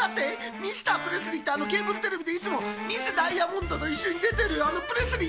ミスタープレスリーってあのケーブルテレビでいつもミス・ダイヤモンドといっしょにでてるあのプレスリー？